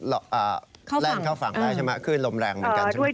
แล่นเข้าฝั่งได้ใช่ไหมคลื่นลมแรงเหมือนกันใช่ไหม